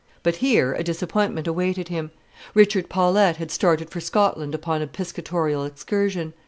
But here a disappointment awaited him. Richard Paulette had started for Scotland upon a piscatorial excursion.